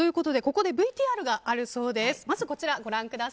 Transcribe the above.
ＶＴＲがあるそうです。